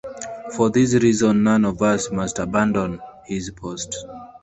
For this reason none of us must abandon his post.